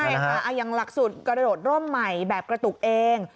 ใช่หลักสูตรกระโดดร่มใหม่แบบกระตุกเอง